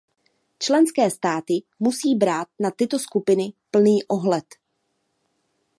Členské státy musí brát na tyto skupiny plný ohled.